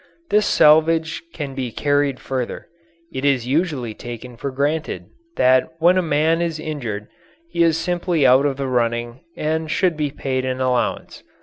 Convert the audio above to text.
This salvage can be carried further. It is usually taken for granted that when a man is injured he is simply out of the running and should be paid an allowance.